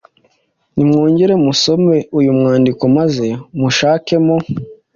Nimwongere musome uyu mwandiko maze mushakemo